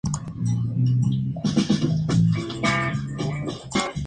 El escudo de armas solo puede ser utilizado por las autoridades oficiales.